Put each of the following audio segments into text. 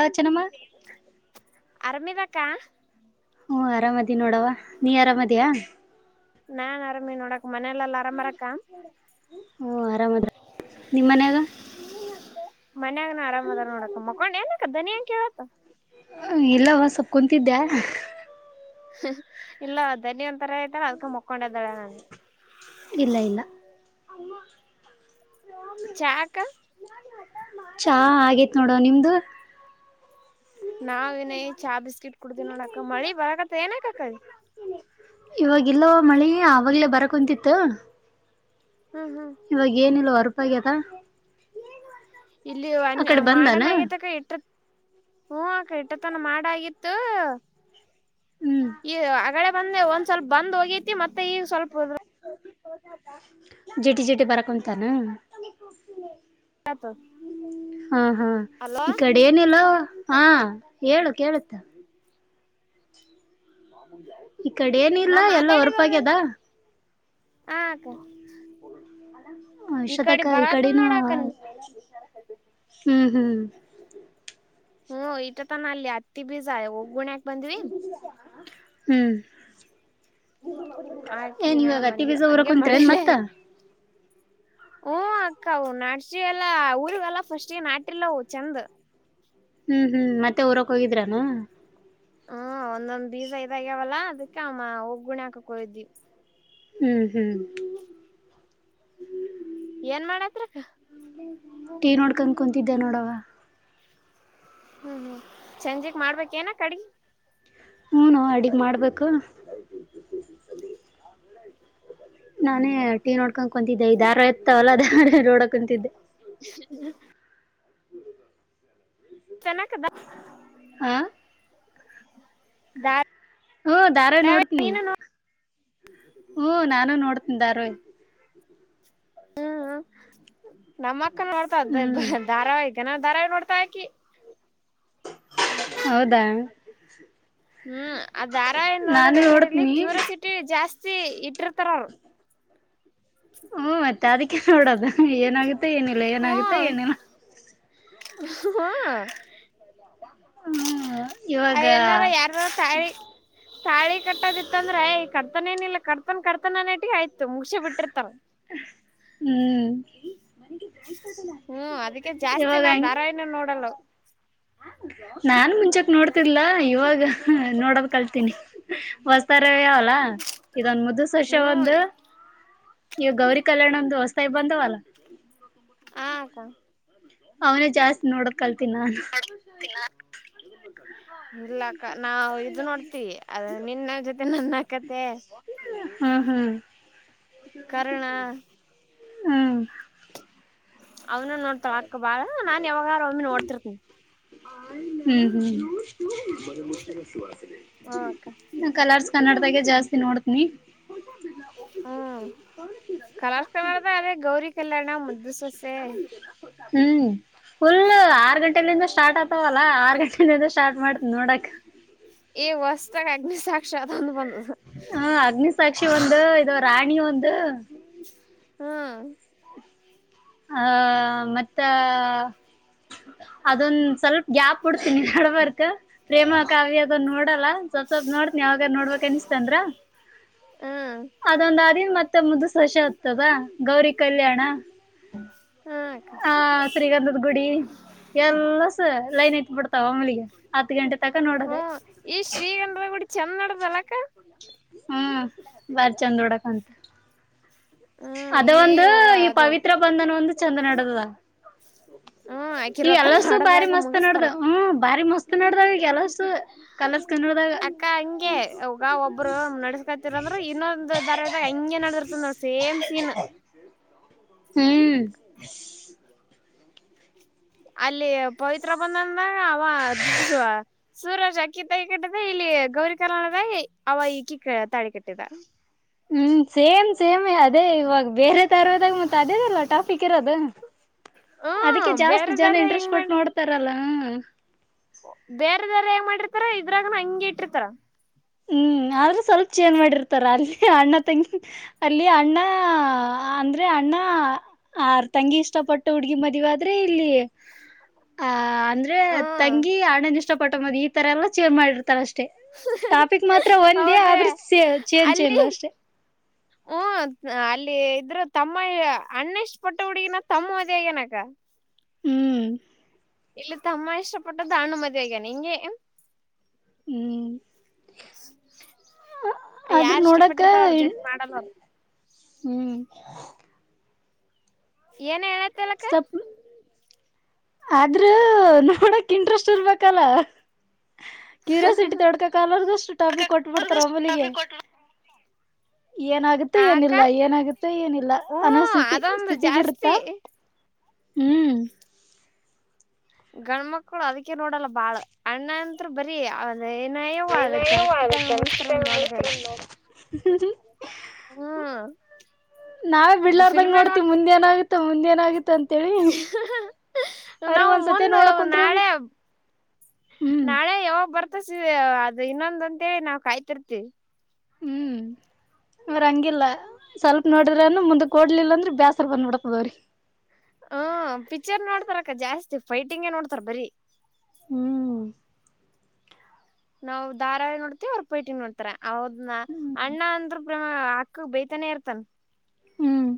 ಯ ಚ ನಮ್ಮ [unintelligible] ಆರಾಮ ಅದಿಕ್ಕ. ಹ್ಮ, ಆರಾಮದಿ ನೋಡವ ನೀ ಆರಾಮದಿಯಾ ನಾನ್ ಆರಾಮಿ ನೋಡಕ್ಕಮನೆಯಲ್ಲೇಲ್ಲಾ ಆರಾಮರಕ್ಕ. ನಿಮ್ಮನ್ಯಾಗ ಮನ್ಯಾಗನ ಆರಾಮದರನೋಡಕ್ಕ. ಮಕೊಂಡ್ ಏನಕ್ಕ ದನಿನ್ ಕೇಳತ್ತ ಸ್ವಲ್ಪ ಕೊಂತಿದ್ದೆ. - ಇಲ್ಲ ಧನಿ ಅಂತ [unintelligible] ತರ ಐತೆ ಅದ್ಕ ಮಕ್ಕೊಂಡ್ದಾಳೆ ನನ್ಗೆ. ಹ [inaudible] ಚಾ, ಅಕ್ಕಾ ಚಾ ಆಗೇತ್ ನೋಡುವ ನಿಮ್ದು ನಾವ್ ಇನ್ನಾಈಗ ಚಾ ಬಿಸ್ಕಿಟ್ ಕುಡ್ದೀವಿ ನೋಡಕ್ಕ. ಮಳಿ ಬರಕತ್ ಏನಕ್ಕ ಕಳಿ ಇವಾಗಿಲ್ಲ ಮಳಿ ಅವಾಗ್ಲೇ ಬರ ಕುಂತಿತ್ತು. ಹ್ಮ್ ಹ್ಮ್ ಇವಾಗ ಏನಿಲ್ಲ ಹೊರಪಾಗ್ಯಾದ. ಇಲ್ಲಿ ಅನ್ ಮಾಡನ್ ಆಗದಕ. ಇಟ್ಟ ಹಕ ಇ [unintelligible] ಇಟ್ಟತನ ಮಾಡಾಗಿತ್ತು. ಹ್ಮ್ ಈ ಹಗಳೆ ಬಂದೆ ಒಂದ್ ಸ್ವಲ್ಪ ಬಂದ್ ಹೋಗಿ ಮತ್ತೆ ಈಗ ಸ್ವಲ್ಪ ಜೆಟಿ, ಜೆಟಿ ಬಾರಕುಂತಾನು. ಹ್ಮ್, ಹ್ಮ ಅಲೋ ಈ ಕಡೆ ಏನು ಇಲ್ಲ ಹಾ, ಹೇಳು ಕೇಳುತ್ತ ಈ ಕಡೆ ಏನಿಲ್ಲ ಎಲ್ಲ ಹೊರಪಾಗ್ಯದ. ಹಕ ಶತಕ ಈ ಕಡೆನು ನೋಡಕ್ಕ ಹ್ಮ್ ಹ್ಮ್ ಹ್ಮ ಇಟ ತಾನ ಅಲ್ಲಿ ಅತ್ತಿ ಬೀಜ ಒೋಗ ಗುಣ್ಯಾಕ್ ಬಂದ್ವಿ ಹ್ಮ್ ಏನ್ ಆಕಿನ ಇವಾಗ ಅತಿ ಬಂದ್ವಿ ಬೀಜ ಊರ ಹಂಗೆ ಕುತ್ರ ನ್ ಮತ್ತ ಹಓ ಅಕ್ಕ ನಾಡ್ಸಿ ಎಲ್ಲಾ ಊರ್ಲ್ಲ ಫಸ್ಟ್ಗೆ ನಾಟಲ್ಲ ಚೆಂದ ಹ್ಮ್ ಹ್ಮ್ ಮತ್ತೆ ಊರಕ್ ಹೋಗಿದ್ರಾನ ಹ್ಮ ಒಂದೊಂದ್ ಬೀಸ ಇದಾಗ್ಯಾವಲ್ಲ ಅದಕ್ಕೆ ಅಮ್ಮ ಒಗ್ಗುಣಿ ಹಾಕಕ್ ಹಯ್ದೀವಿ ಹ್ಮ್ ಹ್ಮ್ ಏನ್ ಮಾಡತ್ರಿಕ್ಕ ಟೀ ನೋಡ್ಕನ್ ಕುಂತಿದ್ದ ನೋಡವ ಹ್ಮ್ ಹ್ಮ್ ಚಂಜಿಗ್ ಮಾಡ್ಬೇಕ ಏನ ಕಡೆಗ ಹೂನು ಅಡಗ್ ಮಾಡ್ಬೇಕು ನಾನೇ ಟಿ ನೋಡ್ಕೊಂಡ ಕುಂತಿದ್ದೆ ಇದ ದಾರ ಇತವಲ್ಲ ಅದ ನೋಡ ಕುಂತಿದ್ದೆ ಹ್ಮ್ ಹ್ಮ ಚೆನ್ನ ಕದಾ ಹಾ ದಾ ಹ್ಮ ಧಾರ್ಯಿ ನೋಡ್ತನಿ ಹ್ಮ ನಾನು ನೋಡ್ತನಿ ಧಾರ್ವಾಹಿ ಹ್ಮ್ ನಮ್ಮ ಅಕ್ಕ ನೋಡ್ತಾದ ಹ್ಮ್ ಧಾರಾವಹ್ತೆನ ದಾರ ನೋಡ್ತಾ ಆಕಿ ಹೌದಾ ಹ್ಮ್ ಅ ದಾರಾ ನ್ ನೋಡೋದ ನಾನು ಹೆಂಗ್ಯಾರ ಇಲ್ಲಿ ನೋಡ್ತೀನಿ ಕ್ಯೂರಸಿಟಿ ಜಾಸ್ತಿ ಇಟ್ಟರ್ ಉತ್ತರ ಹ್ಮ ಮತ್ತೆ ಅದಕ್ಕೆ ನೋಡೋದು ಏನಾಗುತ್ತೆ ಏನಿಲ್ಲ ಏನಾಗುತ್ತೆ ಏನಿಲ್ಲ ಹಾ ಹಾ ಅ ಏನಾರ ಯಾರಾರ ಸಾರಿ ಸಳಿ ಕಟ್ಟೋದಿತ್ತ ಅಂದ್ರೆ ಈ ಕರ್ತನೇನಿಲ್ಲ ಕರ್ತನ್ ಕರ್ತನನೇಟ ಆಯ್ತು ಮುಸ ಬಿಟ್ಟರುತ ಹ್ಮ್ ಹ್ಮ್ ಅದಕ್ಕೆ ಜಾಸ್ತಿ ನಾ ಇವಾಗ ದಾರ ನೂ ನೋಡಲ್ಲ ನಾನ್ ಮುಂಚಕ್ ನೋಡ್ತಿಲ್ಲಾ ಇವಾಗ ನೋಡೋದ ಕಲ್ತೀನಿ ಹೊಸ್ತಾರ ಇದೊನ್ ಮುದು ಸಷ ಹ್ಮ್ ಒಂದು ಇವ ಗೌರಿ ಕಲ್ಯಾಣ ಒಂದು ಹೊಸ್ತ ಬಂದವಲ್ಲ ಹತಾ ಅವನೇ ಜಾಸ್ತಿ ನೋಡ ಕಲ್ತನ್ನಾನು ಇಲ್ಲಕ್ಕ ನಾವು ಇದು ನೋಡ್ತಿವಿ ಅದ ನಿನ್ನ ಜೊತೆ ನನ್ನ ಕತೆ ಹಾ ಹಾ ಕರುಣ ಹ ಹ ಅವ್ನು ನೋಡ್ತಾಳ ಅಕ್ಕ ಬಾಳ ನಾನ್ ಯಾವಾಗಾರ ಒಮ್ಮೆ ನೋಡ್ತಿರ್ತಿ ಅಕ್ಕ ಕಲ ಕನ್ನಡದಾಗೆ ಜಾಸ್ತಿ ನೋಡ್ತನಿ ಹ್ಮ್ ಕಲರ್ ಕಲರ್ದ ಅದೇ ಗೌರಿ ಕಲ್ಯಾಣ ಮುದ್ದು ಸೊಸೆ ಹ್ಮ್ ಫುಲ್ ಆರ್ ಗಂಟೆಲಿಂದ ಸ್ಟಾರ್ಟ್ ಆತವಲ್ಲಾ ಆರ್ ಗಂಟೆಲಿಂದ ಸ್ಟಾರ್ಟ್ ಮಾಡ್ತ ನೋಡಕ್ ಏ ಹೊಸ್ತಾಗ ಅಗ್ನಿಸಾಕ್ಷಾತ್ ಅದೊಂದು ಬಂದ ಹ ಅಗ್ನಿ ಸಾಕ್ಷಿ ಒಂದು ಇದು ರಾಣಿ ಒಂದು ಹ್ಮ ಆ ಮತ್ತ ಅದೊಂದ ಸ್ವಲ್ಪ ಗ್ಯಾಪ್ ಬಿಡ್ತೀನಿ ಅಲ್ಲಿ ಬರ್ಕೊ ಪ್ರೇಮ ಕಾವ್ಯ ಅದನ್ನ ನೋಡ್ ಸ್ವಲ್ಪ ಸ್ವಲ್ಪ ನೋಡ್ತನಿ ಯಾವಗಾರ ನೋಡಬೇಕು ಅನಿಸಿತು ಅಂದ್ರ ಹ್ಮ್ ಅದೊಂದು ಮತ್ತೆ ಮುದು ಸೊಸೆ ಆತದ ಗೌರಿ ಕಲ್ಯಾಣ ಹ್ಮ ಹ ಶ್ರೀಗಂಧದ್ ಗುಡಿ ಎಲ್ಲ ಲೈನ್ ಇಟ್ಟಬಿಡ್ತವ ಒಮ್ಮಲಿಗೆ ಹತ್ತು ಗಂಟೆ ತಕ ಹ್ಮ ನೋಡದೆ ಈ ಶ್ರೀಗಂಧದ ಗುಡಿ ಚಂದ ನೆಡ್ಡದ್ದೆ ಅಲ್ವಾ ಅಕ್ಕಾ ಹ್ಮ್ ಬಾರಾ ಚಂದ ನೋಡಾಕ ಹ್ಮ್ ಅದು ಈ ಒಂದು ಈ ಅದು ಪವಿತ್ರ ಬಂಧನ ಒಂದು ಚೆಂದ ನಡೆದದಾ ಹ್ಮ್ ಅಕಿ ಈಗ ರಥ ಎಲ್ಲಸು ಭಾರಿ ಮಾಡದಾಗ ಮಸ್ತ್ ನೋಡ್ದ ಮುಗಿಸ್ತಾರ ಹ್ಮ ಭಾರಿ ಮಸ್ತ್ ಮಸ್ತ್ ನೆಡೆದವು ಎಲ್ಲಸು ಕಲರ್ಸ್ ಕನ್ನಡದಾಗ ಅಕ್ಕ ಹಂಗೆ ಅವಗ ಒಬ್ರು ನಡ್ಸ್ಕೋತಿರಂದ್ರು ಇನ್ನೊಂದು ದಾರವಾಹಿ ದಾಗ ಹಿಂಗೆ ನಡ್ದಿರ್ತದ ಸೇಮ್ ಸೇಮ್ ಸೀನ್ [inaudible] ಅಲ್ಲಿ ಪವಿತ್ರ ಬಂದಂದಾಗ ಅವ ಸೂರಜ್ ಆಕಿ ತಲಿಕಟ್ಟಿದೆ ಇಲ್ಲಿ ಗೌರಿ ಕಲ್ಯಾಣದಲ್ಲಿ ಅವ ಈಕಿ ತಾಳಿ ಕಟ್ಟಿದ ಹ್ಮ್ ಸೇಮ್ ಸೇಮ್ ಅದೇ ಇವಾಗ ಬೇರೆ ತರೋದಾಗ ಮತ್ತತ್ ಅದೇದಲ್ಲ ಟಾಫಿಕ್ ಇರೋದು ಅದಕ್ಕೆ ಹ್ಮ್ ಜಾಸ್ತಿ ಬೇರೆ ದಾರ ಜನ ಇಂಟ್ರೆಸ್ಟ್ ಕೊಟ್ಟು ನೋಡ್ತಾರಲ್ಲ ಬೇರೆದಾರ ಹೆಂಗ ಮಾಡಿರ್ತಾರ ಇದ್ರಾಗನ ಹಂಗಗೆ ಇಟ್ಟಿರ್ತಾರ ಹ್ಮ್ ಆದ್ರು ಸ್ವಲ್ಪ ಚೇನ್ ಮಾಡಿರ್ತಾರ ಅಲ್ಲಿ ಅಣ್ಣ ತಂಗಿ ಅಲ್ಲಿ ಅಣ್ಣ ಅಂದ್ರೆ ಅಣ್ಣ ತಂಗಿ ಇಷ್ಟಪಟ್ಟ ಹುಡ್ಗಿ ಮದವೆ ಆದ್ರೆ ಇಲ್ಲಿ ಆ ಅಂದ್ರೆ ಹ್ಮ್ ತಂಗಿ ಅಣ್ಣನ್ ಇಷ್ಟ ಪಟ್ಟ ಮದ್ವೆ ಈ ತರ ಎಲ್ಲ ಚೇಂಜ್ ಮಾಡಿರ್ತಾರ ಅಷ್ಟೇ ಟಾಪಿಕ್ ಮಾತ್ರ ಒಂದೇ ಹೌದ ಆದ್ರ ಚೇಂಜ್ ಅಲ್ಲಿ ಚೇಂಜ್ ಅಷ್ಟೆ ಹು ಅಲ್ಲಿ ಇದ್ರರು ತಮ್ಮ ಅಣ್ಣ ಇಷ್ಟು ಪಟ್ಟ ಹುಡುಗಿನ ತಮ್ಮ ಮದ್ವೆ ಆಗೋನೇ ಅಕ್ಕಾ ಹ್ಮ್ ಇಲ್ಲಿ ತಮ್ಮ ಇಷ್ಟ ಪಟ್ಟದ್ದು ಅಣ್ಣ ಮದುವೆ ಹಾಗಾನ ಹ್ಮ್ ಆದ್ರ ಯಾರ್ ಇಷ್ಟ ನೋಡಕ ಪಟ್ಟಿರ್ತಾವ ಅವ್ರ ಜೊತೆ ಮಾಡಲ್ಲ ಅವರು ಹ್ಮ್ ಏನ ಹೇಳನ [inaudible] ಆದ್ರೂ ನೋಡಕ್ ಇಂಟ್ರೆಸ್ಟ್ ಇರ್ಬೇಕಲ್ಲ ಕ್ಯೂರಿಯಾಸಿಟಿ ತೊಡ್ಕಕ್ಲರ್ದಷ್ಟು ಟಾಪಿಕ್ ಕೊಟ್ಬಿಡ್ತಾರ ಒಮ್ಮಲಿಗೆ ಏನಾಗುತ್ತೆ ಆಕ ಏನಿಲ್ಲ ಏನಾಗುತ್ತೆ ಏನಿಲ್ಲ ಹ್ಮ ಅನ ಸ್ಥಿತಿ ಅದೊಂದು ಸ್ಥಿತಿಗಿರುತ್ತಾ ಜಾಸ್ತಿ ಹ್ಮ್ ಗಂಡ್ಮಕ್ಳು ಅದಕ್ಕೆ ನೋಡಲ್ಲ ಬಾಳ ಅಣ್ಣ ಅಂತ್ರು ಬರೀ ಅದ ಏನಯವ ಅದ ಏನೇನೋ ಕರೆಕ್ಟ್ ಟೈಮ್ ಆಗುತ್ತೆ ಮುಗಿಸಸ್ತಾರಂದ ನೋಡೋದೇ ಇಲ್ಲ [inaudible] ನಾವೇ ಬಿಡ್ಲಾರದಾಗ ಫಿಲ್ಮೇ ನೋಡ್ತಿವಿ ನೋಡ್ತ ಮುಂದೆ ಏನಾಗುತ್ತ ಮುಂದೆ ಏನಾಗುತ್ತೆ ಅಂತ ನಾವು ಒಂದ್ಸತಿ ಮುಂದು ನೋಡಕ್ ಕುಂತ್ರ ನಾಳೆ ಹ್ಮ್ ನಾಳೆ ಯಾವಾಗ ಬರ್ತಿತ ಅದು ಇನ್ನೊಂದ ಅಂತೇಳಿ ನಾವು ಕಾಯ್ತಿರ್ತಿವಿ ಹ್ಮ್ ಅವ್ರ ಹಂಗಿಲ್ಲ ಸ್ವಲ್ಪ ನೋಡಿದ್ರನು ಮುಂದಕ್ ಓಡ್ಲಿಲ್ಲ ಅಂದ್ರ ಬೇಸರ್ ಬಂದ್ಬಿಡ್ತದವ್ರಿ ಹ್ಮ ಪಿಕ್ಚರ್ ನೋಡ್ತಾರ ಅಕ್ಕ ಜಾಸ್ತಿ ಫೈಟಿಂಗ್ ನೋಡ್ತರೆ ಬರಿ ಹ್ಮ್ ನಾವು ಧಾರಾವಾಹಿ ನೋಡ್ತಿವಿ ಅವ್ರ್ ಪೈಟಿಂಗ ನೋಡ್ತಾರ ಹೌದ್ನ ಅಣ್ಣ ಅಂದ್ರ ಪ್ರೇಮ ಬೇಯ್ತಾನೆ ಇರ್ತರೆ ಹ್ಮ್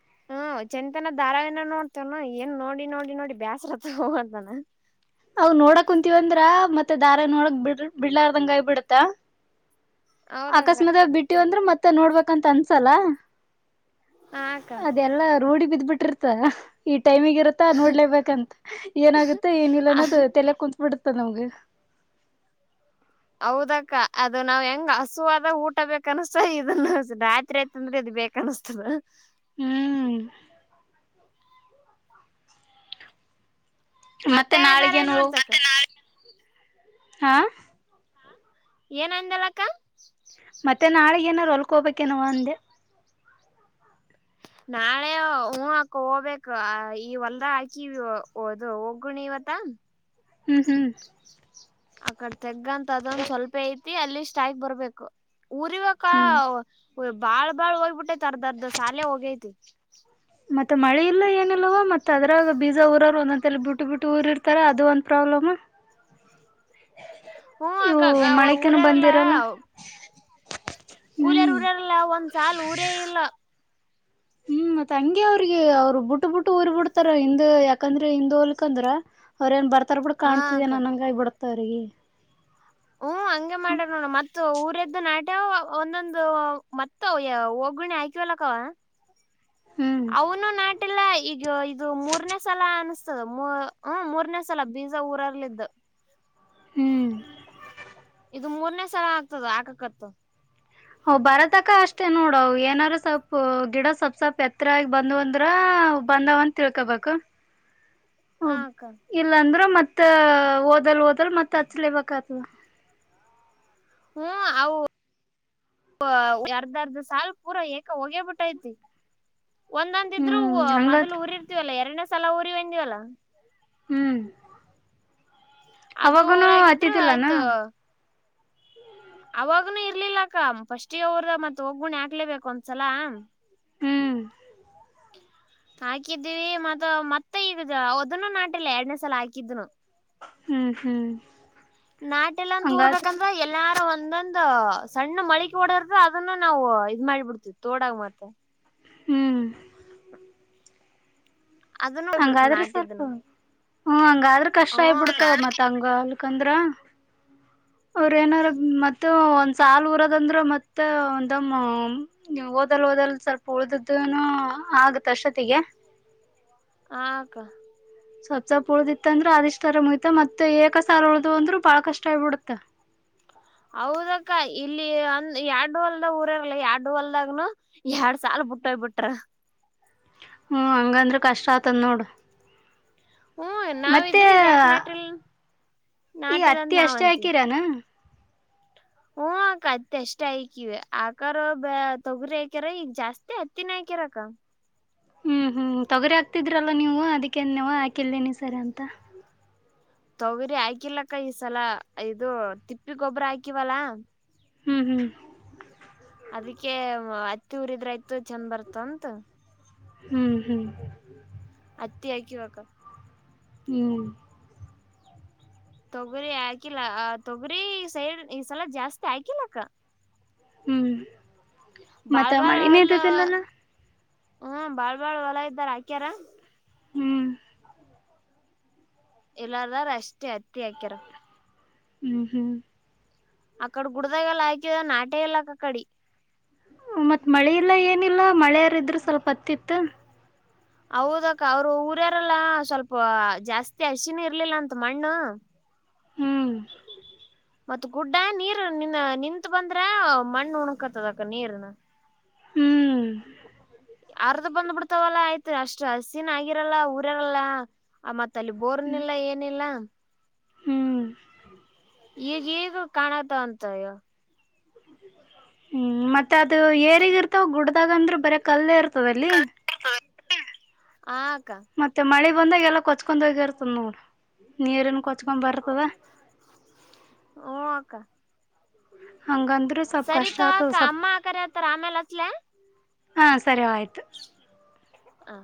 ಹ [unintelligible] ಹ್ಮ್ ಚಂತನ ಧಾರಾವಿನ ನೋಡ್ತೇವನು ಏನ್ ನೋಡಿ ನೋಡಿ ನೋಡಿ ಬ್ಯಾಸ್ರತ್ತ ಹೋಗಂತಾನ. ಅವ ನೋಡಕ್ ಕುಂತೀವಂದ್ರ ಮತ್ತೆ ದಾರ ನೋಡಕ್ ಬಿಡ್ ಬಿಡ್ಲಾರ್ದಂಗ ಆಗ ಬಿಡತ್ತ. ಹೌದಕ್ಕ ಅಕಸ್ಮಾತಗ ಬಿಟ್ಟಿವಂದ್ರರು ಮತ್ತೆ ನೋಡ್ಬೇಕಂತ ಅನ್ಸಲ್ಲ. ಹಾಕ್ಕ ಅದೆಲ್ಲಾ ರೂಢಿ ಬಿದ್ ಬಿಟ್ಟಿರ್ತ ಇ ಟೈಮಿಗೆ ಇರುತ್ತಾ ನೋಡ್ಲೇಬೇಕಂತ ಏನಾಗುತ್ತೆ ಏನಿಲ್ಲ. ಮತ್ತಲ್ಲ ಕುತ್ ಬಿಡುತ್ತ ನಮ್ಗೆ. ಹೌದಕ್ಕ ಅದು ನಾವ್ ಹೆಂಗ್ ಹಸುವಾದ ಊಟ ಬೇಕನ್್ತ ಇದನ್ನ ರಾತ್ರಿ ಆಯತ ಅಂದ್ರೆ ಇದ. ಬೇಕನ್ನಿಸ್ತದೆ. ಹ್ಮ್ ಮತ್ತೆ ಬೇರೆ ನೋಡ್ತ [unintelligible] ಹಾ ಏನಂದೆ ಹೇಳಕ್ಕ ಮತ್ತೆ ನಾಳಗ ಏನಾದಾರರು ಹೊಲ್ಕೋಬೇಕೇನವ ಅಂದೆ. ನಾಳೆ ಹೂ ಹಾಕ ಹೋಗ್ಬೇಕು ಈ ಹೊಲ್ದ ಹಾಕಿವ ಅದು ಒಗ್ಗುಣಿ ಇವ. ದ ಹ್ಮ್ ಹ್ಮ್ ಅಕಡ್ ತೆಗ್ಗಂತ ಅದೊಂದ ಸ್ವಲ್ಪ ಐತಿ ಅಲ್ಲಿ ಸ್ಟಾ ಬರ್ಬೇಕು. ಊರ್ವಕ ಹ್ಮ್ ಬಾಳ್ ಬಾಳ್ ಹೋಗ್ಬಿಟ್ಟೈತಿ ಅರ್ದ ಅರ್ದ ಶಾಲೆ ಹೋಗೈತಿ. ಮತ್ತೆ ಮಳೆ ಇಲ್ಲ ಏನಲ್ವ ಮತ್ತುತ್ತ ಅದ್ರಾಗ ಬೀಜ ಊರವರು ಒಂದೊಂದಲ್ಲಿ ಬಿಟ್ಟು ಬಿಟ್ಟು ಊರಿ ಇರ್ತಾರೆ ಅದು ಒಂದು ಪ್ರಾಬ್ಲಮ್. ಹ ಹೂ ಅಕ್ಕಾ ಅಕ್ಕಾ ಊರಾರಲ್ಲ. ಬಂದಿರಲ್ಲ ಕೂಲಿಯರ್ ಹ್ಮ್ ಊರ್ಯರ್ಲ್ಲ ಒಂದ್ಸಲ್ ಊರೇ ಇಲ್ಲ. ಹ್ಮ್ ಮತ್ತತ್ ಹಂಗಗೆ ಅವ್ರಿಗೆ ಅವ್ರು ಬಿಟ್ಟು ಬಿಟ್ಟು ಊರ್ ಬಿಡ್ತಾರ ಹಿಂದ್ ಯಾಕಂದ್ರೆ ಹಿಂದ್ ಹೊಲ್ಕಂದ್ರ ಅವ್ರ ಏನ್ ಬರ್ತ. ತ್ತರ್ ಬಿಡ್ ಹ ಕಾಣ್ತಿದ ಅಕ್ಕ ನಂಗ ಬಿಡ್ತಿಗೆ. ಹ್ಮ್ ಹಂಗೆ ಮಾಡ ನೋಡ ಮತ್ತೆ ಊರದ್ದು ನಾಟ್ಯ ಒಂದೊಂದು ಮತ್ತ ಒಗ್ಣಿ ಹಾಕಿವಲಕ್ಕವ. ಹ್ಮ್ ಅವನು ನಾಟೆಲ್ಲ ಈಗ ಇದು ಮೂರ್ನೇ ಸಲ ಅನ್. ಹ್ಮ ಮೂರನೇ ಸಲ ಬೀಜ ಊರಲ್ಲ್ದ. ಹ್ಮ್ ಇದು ಮೂರನೇ ಸಲ ಆಗ್ತದ ಆಕಕತ್ತು. ಹ ಬರತಕ ಅಷ್ಟೇ ನೋಡ ಏನಾದ್ರು ಸ್ವಪ್ಪ ಗಿಡ ಸ್ವಪ್ ಸವಲ್ಪ್ ಎತ್ತರಗಿ ಬಂದ್ ಅಂದ್ರ. ಹ ಬಂದಾವಂತ ತಿಳ್ಕೊಬೇಕು. ಹ ಇಲ್ಲ ಅಂದ್ರ ಮತ್ತ ಓದಲ್ ಓದಲ್ ಮತ್ತತ್ ಹಚ್ಲಿಬೇಕತದ. ಹ್ಮ ಆಹು ಅರ್ಧ ಅರ್ಧ ಸಾಲ್ ಪೂರಾ ಏಕ ಹೋಗೇಬಿಟ್ಟೈತಿ. ಒಂದ್ಂದ ಇದ್ರು ಹ್ಮ್ ಮೊದಲು ಹಂಗತ್ ಉಊರಿರ್ತಿವಲ್ಲಾ ಎರಡನೇ ಸಲ ಊರಿವೆಂದಿವವಲ್ಲ. ಹ್ಮ್ ಅದು ಅವಾಗನು ಊರಾಗಿದ್ರು ಹತ್ತಿದ್ದಿಲ್ಲಾನ ಆಯ್ತು. ಅವಾಗನುೂ ಇರ್ಲಿಲ್ಲಕ್ಕ ಫಸ್ಟ್ಗೆ ಅವರ್ದ ಮತ್ ಹೋಗ್ಬುಣಿ ಹಾಕ್ಲೇಬೇಕ ಒಂದ್ಸಲ. ಹ್ಮ್ ಹಾಕಿದ್ದೀವಿ ಮತ್ತ ಮತ್ತೆ ಈಗ ಅದನು ನಾಟಿಲ್ಲ ಎರಡ್ನೇ ಸಲ ಹಾಕಿದ್ನು. ಹ್ಮ್ ಹ್ಮ್ ನಾಟೆಲ್ಲ ಅಂದ ಹಂಗಾದ್ರ ಊರ್ಬೇಕಂದ್ರ ಎಲ್ಲಾರು ಒ. ಒಂದೊಂದು ಸಣ್ಣ ಮಳಿಕೆ ಹೊಡ್ರ ಅದನ್ನ ನಾವು ಇದ್ ಮಾಡಿಬಿಡ್ತೇ ತೋಡಾಗ ಮಾತ್ರ. ಹ್ಮ್ ಅದನ್ನ ಹೋಗ್ಬಿಡ್ತ ಹಂಗಾದ್ರೆ ಸ್ವಲ್ಪ ನಾಟಿದ್ದನು ಹ್ಮ್ ಹಂಗಾದ್ರರು ಹ ಕಷ್ಟ ಆಬ ಅಕ್ಕ ಬಿಡ್ತವ ಮತ್ ಹಂಗ. ಬಂದ್ರಾ ಅವ್ರ ಏನಾರ ಮತ್ತ ಒಂದ್ಸಲ್ ಊರದಂದ್ರ ಮತ್ತೆ ಒಂದಮ್ಮ. ಓದಲ್ ಓದಲ್ ಸ್ವಲ್ಪ ಉಳ್ದನು ಆಗತ್ಷತ್ತಿಗೆ ಅಷ್ಟೊತ್ತಿಗೆ. ಆಕ್ಕ ಸಪ್ ಸೊಪ್ ಉಳ್ದಿತ್ತ ಅಂದ್ರ ಅಿಷ್ಟ್ ಆರ ಮುಯ್ತ ಮತ್ತೆ ಏಕಸಾರ ಉಳ್ದು ಅಂದ್ರರು ಬಾಳ ಕಷ್ಟ ಆಗ್ಬಿಡತ್ತ ಹೌದಕ್ಕ ಇಲ್ಲಿ ಅಂದ ಎರಡು ಹೊಲ್ದ ಊರಗ್ಲ ಎರಡು ಹೊಲ್ದಾಗನು ಎರಡ್ ಸಲ್ ಬ ಬಿಟ್ಟೋಗ್ ಬಿಟ್ರ ಹ್ಮ್ ಅಂಗ ಅಂದ್ರೆ ಕಷ್ಟ ತಂದೋಡು ಹ್ಮ್ ನಾವ್ ಮತ್ತೆ ಇದ್ರಿ ಇದ್ ಯಾಕ ನಾಟಿಲ್ ಈ ನಾಟಿಲ್ ಅಂತ ಅತ್ತಿ ನಾವ್ ಅಷ್ಟೇ ಅಂತೀವಿ ಹಾಕಿರಾನ [unintelligible] ಕ್ಕ ಅತ್ತ ಅಷ್ಟ ಆಯಕವಿ ಆಕಾರ ತೊಗರಿ ಆಕ್ಯಾರ ಈಗ ಜಾಸ್ತಿ ಅತ್ತಿನ ಹಾಕ್ಯಾರಕ್ಕ ಹ್ಮ್ ಹ್ಮ್ ತೊಗರಿ ಆಗ್ತಿದ್ರಲ್ಲ ನೀವು ಅದಕ್ಕೆವ ಹಾಕಿಲ್ದೇನಿ ಸರಿ ಅಂತ ತಗರಿ ಹಾಕಿಲ್ಲಕ್ಕ ಈ ಸಲ ಇದು ತಿಪ್ಪಿ ಗೊಬ್ಬರ ಹಾಕಿವಲ್ಲಾ ಹ್ಮ್ ಹ್ಮ್ ಅದಕ್ಕೆ ಅತ್ತಿ ಊರಿದ್ರಯ್ತು ಚಂದ ಬರ್ತಂತ ಹ್ಮ್ ಹ್ಮ್ ಅತ್ತ ಆಕಿ ವಕ್ಕ ಹ್ಮ್ ತೊಗರಿ ಹಾಕಿಲ್ಲ ಆ ತೊಗರಿ ಸೈಡ್ ಈಸಲ ಜಾಸ್ತಿ ಹಾಕಲಕ್ಕ ಹ್ಮ್ ಮತ್ತ ಬಾರ ಬಾರ ಮಳಿನೇ ಅಲ್ಲ ಇದ್ದಿದ್ದಿಲ್ಲಲ್ಲ ಹ್ಮ ಬಾಳ್ ಬಾಳ್ ಹೊಲ ಇದ್ದಾರ ಆಕ್ಯಾರ ಹ್ಮ್ ಎಲ್ಲಾರದಾರ ಅಷ್ಟೇ ಹತ್ತಿ ಹಾಕ್ಯಾರ ಹ್ಮ್ ಹ್ಮ್ ಅಕ್ಕಡ ಗಡದಾಗ ಲಾಕದ ನಟ್ಯಲ್ಲಕ್ಕ ಅಕ್ಕಡಿ ಮತ್ತತ್ ಮಳೆ ಇಲ್ಲ ಏನಿಲ್ಲ ಮಳೆಯಾರ ಇದ್ರೆ ಸ್ವಲ್ಪ ಹತ್ತಿತ್ತು ಹೌದಕ್ಕ ಅವ್ರು ಊರ್ಯಾರಲ್ಲ ಸ್ವಲ್ಪ ಜಾಸ್ತಿ ಹರ್ಶಿನ ಇರ್ಲಿಲ್ಲ ಅಂತ ಮಣ್ಣು ಹ್ಮ್ ಮತ್ತ್ ಗುಡ್ಡ ನೀರ್ ನಿ ನಿತ ಬಂದ್ರ ಮಣ್ಣು ಉಣಕತ್ತದ ಅಕ್ಕ ನೀರ್ನ ಹ್ಮ್ ಯಾರ್ದು ಬಂದ್ ಬಿಡ್ತಾವಲ್ಲಾ ಆಯ್ತ್ ಅಷ್ಟ್ ಹಸಿನ ಆಗಿರಲ್ಲಾ ಊರಾರಲ್ಲ ಆ ಮತ್ತ ಅಲ್ಲಿ ಬೋರ್ನಿಲ್ಲ ಏನಿಲ್ಲ ಹ್ಮ್ ಈಗ ಹೇಗ ಕಾಣತ ಅಂತಯ್ಯೋ [inaudible] ಹ್ಮ್ ಮತ್ತೆ ಅದು ಏರಿಗ ಇರ್ತಾವ ಗುಡ್ದಾಗಂದ್ರ ಬರ ಕಲ್ಲೇ ಇರ್ತವ ಅಲ್ಲಿ ಹ ಮತ್ತೆ ಮಳಿ ಬಂದಾಗ ಎಲ್ಲ ಕೊಚ್ಕೊಂಡ ಹೋಗಿರ್ತದ ನೋಡ್ ನೀರ್ ಏನ್ ಕೊ ಹಓ ಅಕ್ಕ ಹಂಗಂದ್ರೆ ಸ್ಲ್ ಸರಿ ತೋ ಕಷ್ಟತ ಅಕ್ಕ ಸ್ ಅಮ್ಮ ಕರತಾರ ಆಮೇಲೆ ಹಚ್ಲ ಹಾ ಸರಿ ಆಯ್ತು ಹ